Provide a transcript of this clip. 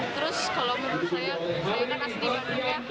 terus kalau menurut saya saya kan asli bandung ya